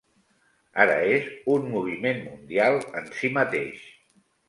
Ara és un moviment mundial en si mateix.